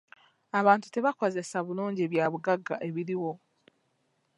Abantu tebakozesezza bulungi bya bugagga ebiriwo.